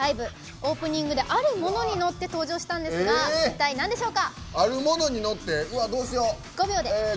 オープニングであるものに乗って登場したんですがどうしよう！